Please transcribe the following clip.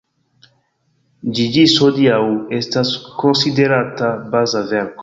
Ĝi ĝis hodiaŭ estas konsiderata baza verko.